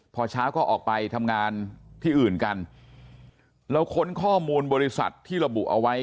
พอเช้าก็ออกไปทำงานที่อื่นกันเราค้นข้อมูลบริษัทที่ระบุเอาไว้